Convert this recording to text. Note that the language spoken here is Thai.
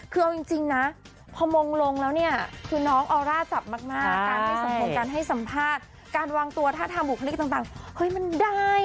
คือเอาจริงนะพอมงลงแล้วเนี่ยคือน้องออร่าจับมากการให้สังคมการให้สัมภาษณ์การวางตัวท่าทางบุคลิกต่างเฮ้ยมันได้